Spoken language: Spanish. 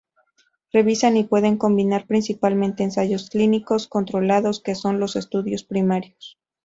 Revisan y pueden combinar principalmente ensayos clínicos controlados, que son los estudios primarios.